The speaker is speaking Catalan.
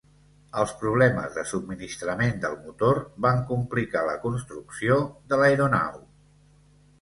Els problemes de subministrament del motor van complicar la construcció de l'aeronau.